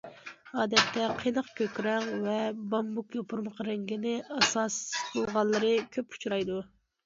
ئادەتتە قېنىق كۆك رەڭ ۋە بامبۇك يوپۇرمىقى رەڭگىنى ئاساس قىلغانلىرى كۆپ ئۇچرايدۇ.